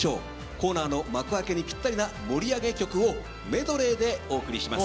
コーナーの幕開けにぴったりな盛り上げ曲をメドレーでお送りします。